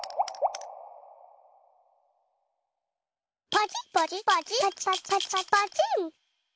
パチパチパチパチ。